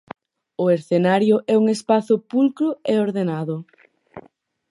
O escenario é un espazo pulcro e ordenado.